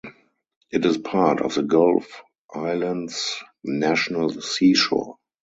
It is part of the Gulf Islands National Seashore.